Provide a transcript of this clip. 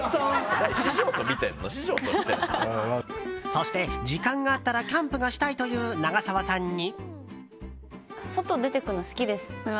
そして、時間があったらキャンプがしたいという長澤さんに。